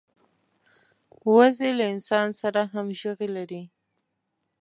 وزې له انسان سره همږغي لري